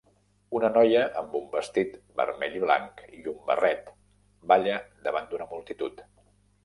Una noia amb un vestit vermell i blanc i un barret balla davant d'una multitud